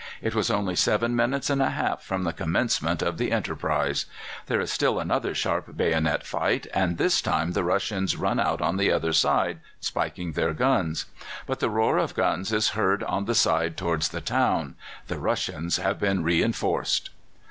It was only seven minutes and a half from the commencement of the enterprise. There is still another sharp bayonet fight, and this time the Russians run out on the other side, spiking their guns. But the roar of guns is heard on the side towards the town: the Russians have been reinforced!